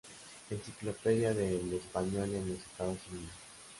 Enciclopedia del español en los Estados Unidos.